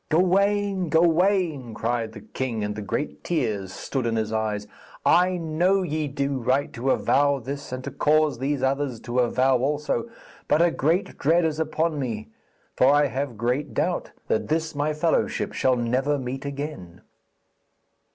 'Gawaine, Gawaine,' cried the king, and the great tears stood in his eyes, 'I know ye do right to avow this and to cause these others to avow also; but a great dread is upon me, for I have great doubt that this my fellowship shall never meet again.'